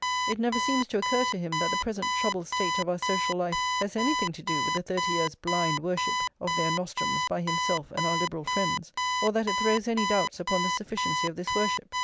It never [xxix] seems to occur to him that the present troubled state of our social life has anything to do with the thirty years' blind worship of their nostrums by himself and our Liberal friends, or that it throws any doubts upon the sufficiency of this worship.